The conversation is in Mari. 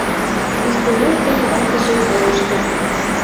Свистунов ден ватыже колыштыт.